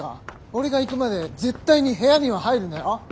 俺が行くまで絶対に部屋には入るなよ？